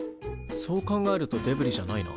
そう考えるとデブリじゃないな。